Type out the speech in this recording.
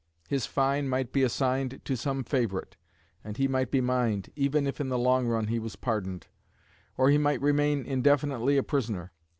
His fine might be assigned to some favourite; and he might be mined, even if in the long run he was pardoned; or he might remain indefinitely a prisoner.